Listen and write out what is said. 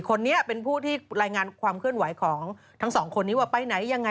คนนี้เป็นผู้ที่รายงานความเคลื่อนไหวของทั้งสองคนนี้ว่าไปไหนยังไง